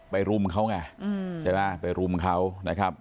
ไปรุมเขาไงไปรุมเขานะครับ